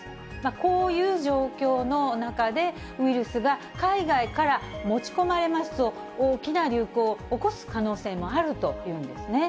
こういう状況の中で、ウイルスが海外から持ち込まれますと、大きな流行を起こす可能性もあるというんですね。